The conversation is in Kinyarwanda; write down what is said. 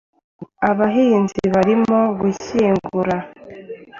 Abahinzi barimo gushyingurwa